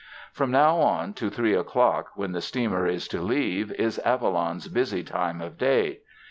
From now on to three o'clock, when the steamer is to leave, is Avalon 's busy time of day.